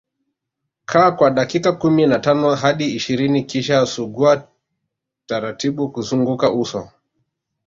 Kaa kwa dakika kumi na tano hadi ishirini kisha sugua taratibu kuzunguka uso